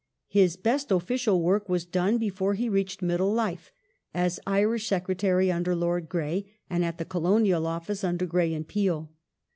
His best official work was done before he reached middle life : as Irish Secretary under Lord Grey, and at the Colonial Office under Grey and Peel.